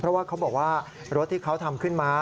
เพราะว่าเขาบอกว่ารถที่เขาทำขึ้นมา